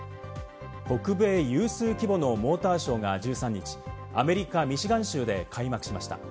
北米有数規模のモーターショーが１３日、アメリカ・ミシガン州で開幕しました。